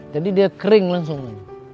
jadi dia kering langsung kan